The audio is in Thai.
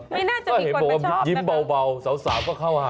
บ่นก็เห็นว่ายิ้มเบาเสาก็เข้าหา